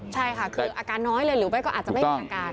ใช่ค่ะคืออาการน้อยเลยหรือไม่ก็อาจจะไม่มีอาการ